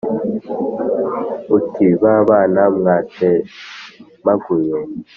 Uti ba bana mwatemaguye